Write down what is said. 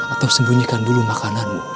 atau sembunyikan dulu makananmu